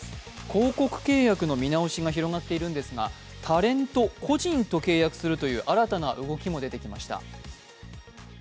広告契約の見直しが広がっているんですがタレント個人と契約するという新たな動きも出てきました。